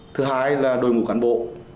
thứ hai là đội ngũ cán bộ